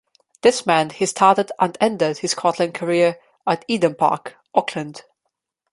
This meant he started and ended his Scotland career at Eden Park, Auckland.